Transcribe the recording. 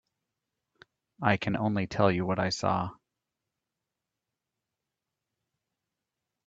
I can only tell you what I saw.